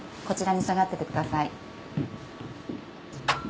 こちらに下がっててください。